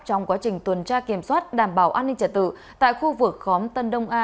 trong quá trình tuần tra kiểm soát đảm bảo an ninh trả tự tại khu vực khóm tân đông a